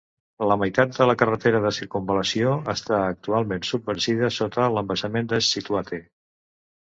La meitat de la carretera de circumval·lació està actualment submergida sota l'embassament de Scituate.